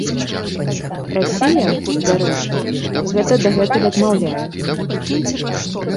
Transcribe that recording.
Расія, дарэчы, гэта дагэтуль адмаўляе.